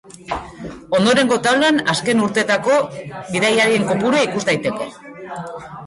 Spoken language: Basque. Ondorengo taulan azken urteetako bidaiarien kopurua ikus daiteke.